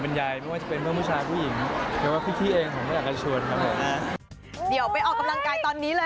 ทุกคนที่ผมแบบเป็นห่วงบรรยาย